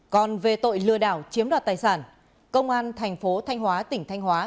còn về tội lừa đảo chiếm đoạt tài sản công an thành phố thanh hóa tỉnh thanh hóa